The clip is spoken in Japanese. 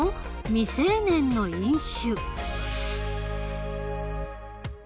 未成年の飲酒」。